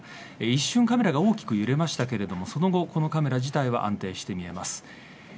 一瞬カメラが大きく揺れましたがその後、このカメラ自体は安定して見えます。